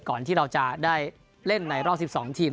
ก่อนที่เราจะได้เล่นในรอบ๑๒ทีม